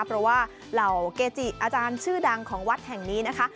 เพราะว่าเหล่าเกจิอาจารย์ชื่อดังของวัดแห่งนี้นะคะ